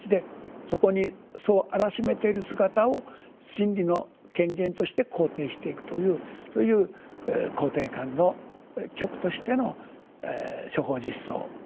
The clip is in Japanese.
そこにそうあらしめている姿を真理の顕現として肯定していくというそういう肯定感の極としての「諸法実相」。